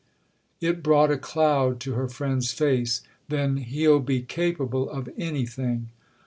'" It brought a cloud to her friend's face. "Then he'll be capable of anything."